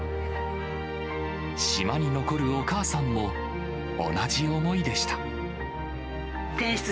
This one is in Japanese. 島に残るお母さんも同じ思いでした。